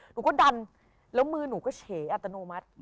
หนูก็ดันและมือหนูเฉยแอร์สโตรโนมัติ